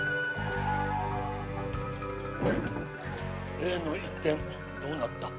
例の一件どうなった？